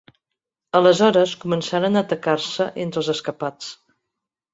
Aleshores començaren a atacar-se entre els escapats.